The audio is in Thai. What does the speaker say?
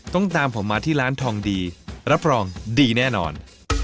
ตามผมมาที่ร้านทองดีรับรองดีแน่นอน